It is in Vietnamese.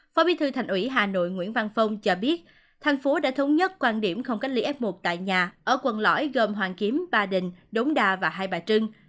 phó bí thư thành ủy hà nội nguyễn văn phong cho biết thành phố đã thống nhất quan điểm không cách ly f một tại nhà ở quận lõi gồm hoàn kiếm ba đình đống đa và hai bà trưng